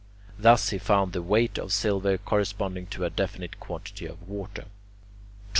Thus he found the weight of silver corresponding to a definite quantity of water. 12.